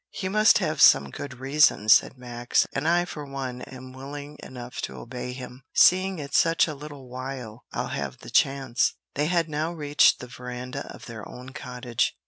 "He must have some good reason," said Max, "and I for one am willing enough to obey him, seeing it's such a little while I'll have the chance." They had now reached the veranda of their own cottage.